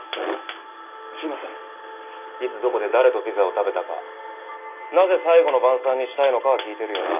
いつどこで誰とピザを食べたかなぜ最後の晩餐にしたいのかは聞いてるよな？